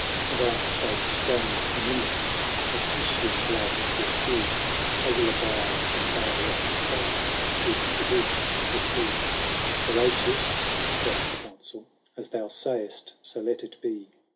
And out spake strong Herminius ; Of Titian blood was he :" I will abide on thy left side. And keep the bridge with thee." XXXI. " Horatius," quoth the Consul, " As thou say est, so let it be."